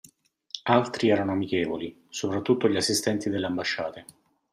Altri erano amichevoli, soprattutto gli assistenti delle ambasciate.